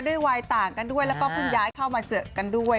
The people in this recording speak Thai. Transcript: วัยต่างกันด้วยแล้วก็เพิ่งย้ายเข้ามาเจอกันด้วย